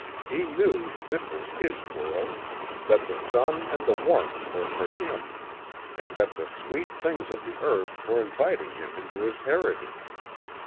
He knew this was HIS world, that the sun and the warmth were for him, and that the sweet things of the earth were inviting him into his heritage.